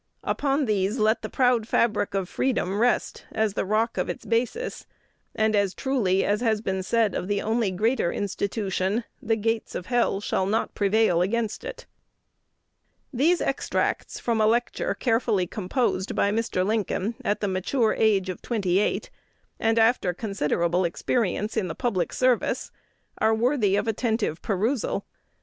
Upon these let the proud fabric of freedom rest as the rock of its basis, and as truly as has been said of the only greater institution, 'The gates of hell shall not prevail against it."' 1 The italics are the orator's. These extracts from a lecture carefully composed by Mr. Lincoln at the mature age of twenty eight, and after considerable experience in the public service, are worthy of attentive perusal.